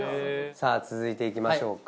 さぁ続いていきましょうか。